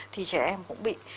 thì trẻ em cũng bị